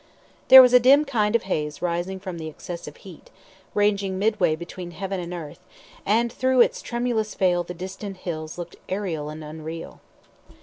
There was a dim kind of haze rising from the excessive heat, hanging midway between heaven and earth, and through its tremulous veil the distant hills looked aerial and unreal.